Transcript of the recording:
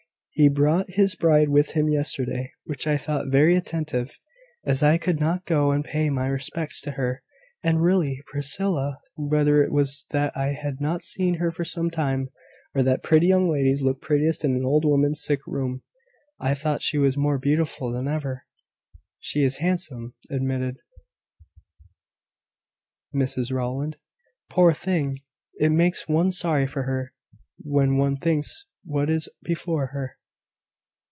He brought his bride with him yesterday, which I thought very attentive, as I could not go and pay my respects to her. And really, Priscilla, whether it was that I had not seen her for some time, or that pretty young ladies look prettiest in an old woman's sick room, I thought she was more beautiful than ever." "She is handsome," admitted Mrs Rowland. "Poor thing! it makes one sorry for her, when one thinks what is before her."